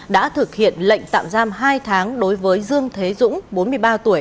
đã thực hiện lệnh tạm giam hai tháng đối với dương thế dũng bốn mươi ba tuổi